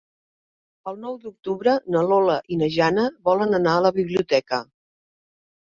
El nou d'octubre na Lola i na Jana volen anar a la biblioteca.